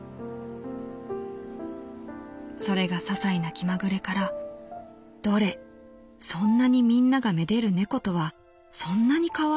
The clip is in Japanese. それが些細な気まぐれから『どれそんなにみんなが愛でる猫とはそんなに可愛いものなのか。